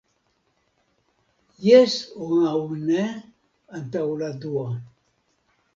Jes aŭ ne antaŭ la dua.